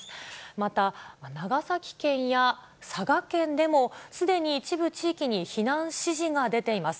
また、長崎県や佐賀県でも、すでに一部地域に避難指示が出ています。